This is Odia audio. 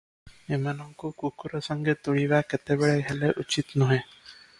ଏମାନଙ୍କୁ କୁକୁର ସଙ୍ଗେ ତୁଳିବା କେତେବେଳେ ହେଲେ ଉଚିତ୍ ନୁହେଁ ।